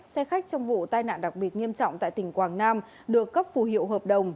xe khách trong vụ tai nạn đặc biệt nghiêm trọng tại tỉnh quảng nam được cấp phù hiệu hợp đồng